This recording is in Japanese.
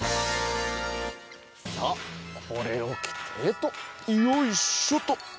さあこれをきてとよいしょと。